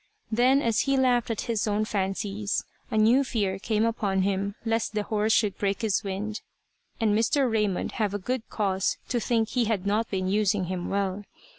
Then as he laughed at his own fancies, a new fear came upon him lest the horse should break his wind, and Mr. Raymond have good cause to think he had not been using him well.